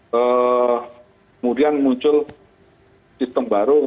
kemudian muncul sistem baru